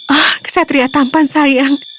ah kesatria tampan sayang